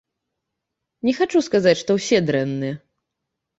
Не хачу сказаць, што ўсе дрэнныя.